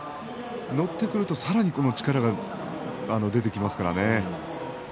乗ってくるとさらに力が出てきますからね。